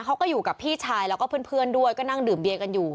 เขาก็อยู่กับพี่ชายแล้วก็เพื่อนด้วยก็นั่งดื่มเบียร์กันอยู่